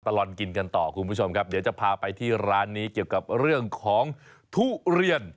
ตลอดกินกันต่อคุณผู้ชมครับเดี๋ยวจะพาไปที่ร้านนี้เกี่ยวกับเรื่องของทุเรียน